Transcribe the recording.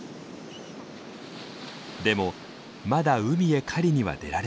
でもまだ海へ狩りには出られません。